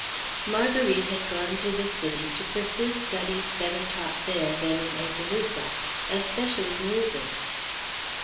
Marguerite had gone to the city to pursue studies taught better there than in Opelousas; especially music.